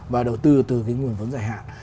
và đầu tư từ cái nguồn vốn dài hạn